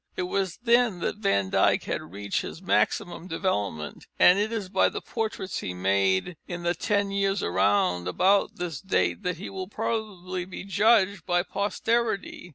It was then that Van Dyck had reached his maximum development, and it is by the portraits he made in the ten years round about this date that he will probably be judged by posterity.